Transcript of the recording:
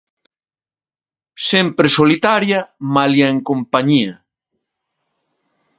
Sempre solitaria, malia en compañía.